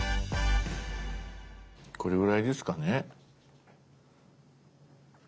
これぐらいですかね。